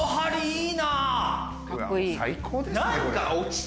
いい。